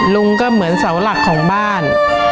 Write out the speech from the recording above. ลุงก็เหมือนเสาหลักของบ้าน